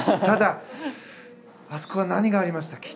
ただ、あそこは何がありました？